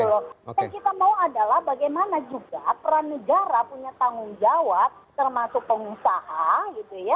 yang kita mau adalah bagaimana juga peran negara punya tanggung jawab termasuk pengusaha gitu ya